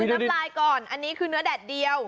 คือน้ำลายก่อนอันนี้คือเนื้อแดดเดียว